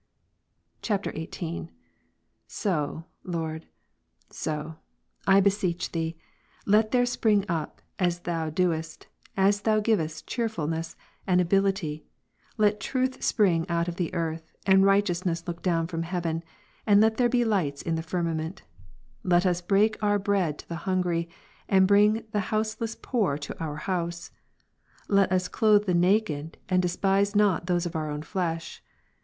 [XVIIL] 22. So, Lord, so, I beseech Thee, let there spring up, as Thou doest, as Thou givest cheerfulness and ability, let truth spring out of the earth, and righteousness Ps. 85, look doivnfrom heaven, andlet there be lights in the firmament, (j^^^ j Let us break our bread to the hungry, and bring the houseless 15. poor to our house. Let us clothe the naked, and despise not y^'g ' those of our own flesh.